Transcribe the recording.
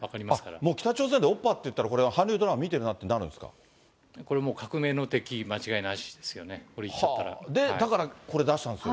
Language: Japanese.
もう北朝鮮でオッパって言ったら、これは韓流ドラマ見てるなこれ、もう革命の敵、間違いだからこれ出したんですね。